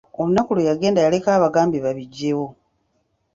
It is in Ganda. Olunaku lwe yagenda yaleka abagambye babiggyewo.